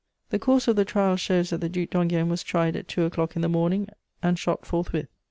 The course of the trial shows that the Duc d'Enghien was tried at two o'clock in the morning and shot forthwith.